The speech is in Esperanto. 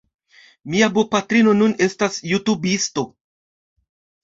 Mia bopatrino nun estas jutubisto